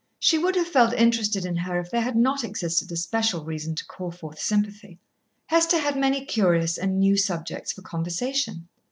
She would have felt interested in her if there had not existed a special reason to call forth sympathy. Hester had many curious and new subjects for conversation.